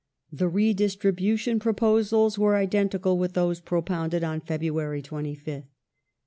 The redistribution proposals were identical with those propounded on February 25th.